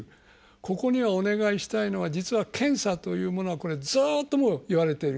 ここにはお願いしたいのは実は検査というものはこれずっともう言われている。